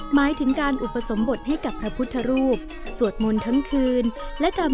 หมายถึงการอุปสมบทให้กับพระพุทธรูปสวดมนต์ทั้งคืนและทำ